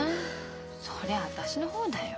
それ私の方だよ。